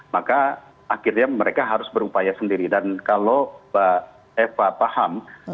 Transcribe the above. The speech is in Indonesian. maka akhirnya mereka harus berupaya sendiri dan kalau mbak eva paham